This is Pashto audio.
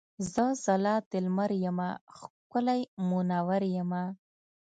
زه ځلا د لمر یمه ښکلی مونور یمه.